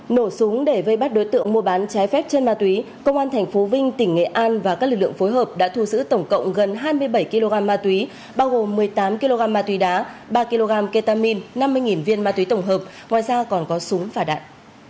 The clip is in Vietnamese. nổ súng để vây bắt đối tượng mua bán trái phép chân ma túy công an tp vinh tỉnh nghệ an và các lực lượng phối hợp đã thu giữ tổng cộng gần hai mươi bảy kg ma túy bao gồm một mươi tám kg ma túy đá ba kg ketamine năm mươi viên ma túy tổng hợp ngoài ra còn có súng và đạn